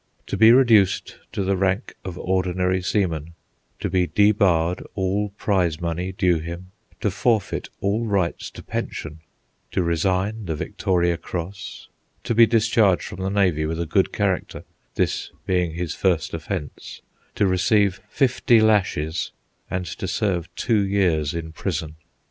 To be reduced to the rank of ordinary seaman; to be debarred all prize money due him; to forfeit all rights to pension; to resign the Victoria Cross; to be discharged from the navy with a good character (this being his first offence); to receive fifty lashes; and to serve two years in prison.